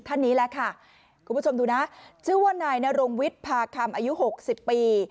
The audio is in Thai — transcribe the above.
ท่านนี้แหละค่ะคุณผู้ชมดูนะชื่อว่านายนรงวิทย์พาคำอายุหกสิบปี